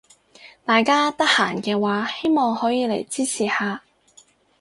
大家得閒嘅話希望可以嚟支持下